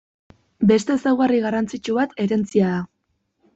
Beste ezaugarri garrantzitsu bat herentzia da.